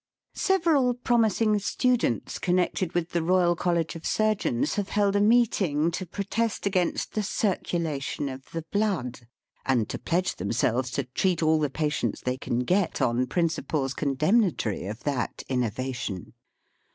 Several promising" Students connected with the Royal College of Surgeons have held a meeting, to protest against the circulation of the blood, and to pledge themselves to treat all the patients they can get, on principles condemnatory of that innovation.